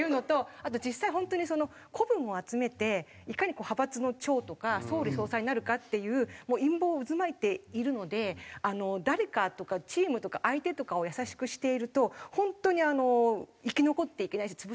あと実際本当に子分を集めていかに派閥の長とか総理総裁になるかっていう陰謀渦巻いているので誰かとかチームとか相手とか優しくしていると本当に生き残っていけないし潰されちゃうので。